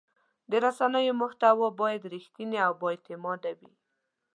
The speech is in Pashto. د رسنیو محتوا باید رښتینې او بااعتماده وي.